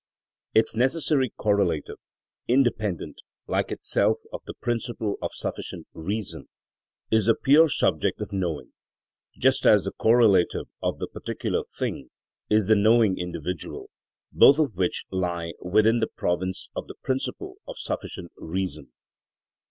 Its necessary correlative, independent, like itself of the principle of sufficient reason, is the pure subject of knowing; just as the correlative of the particular thing is the knowing individual, both of which lie within the province of the principle of sufficient reason.